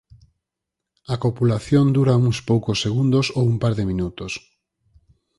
A copulación dura uns poucos segundos ou un par de minutos.